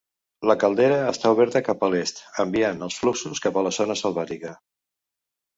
La caldera està oberta cap a l'est, enviant els fluxos cap a la zona selvàtica.